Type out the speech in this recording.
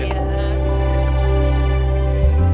terima kasih mas